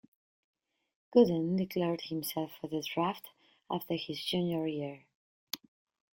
Gooden declared himself for the draft after his junior year.